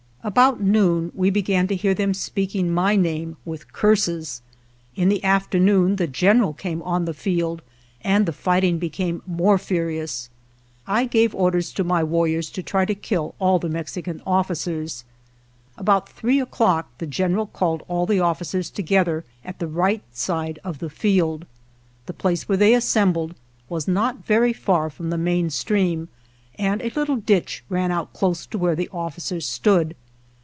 About noon we began to hear them speak ing my name with curses. In the afternoon the general came on the field and the fight ing became more furious. I gave orders to my warriors to try to kill all the Mexican officers. About three o'clock the general called all the officers together at the right side of the field. The place where they as 107 GERONIMO sembled was not very far from the main stream, and a little ditch ran out close to where the officers stood.